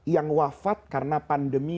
yang wafat karena pandemi